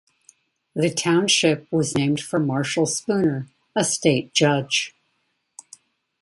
The township was named for Marshall Spooner, a state judge.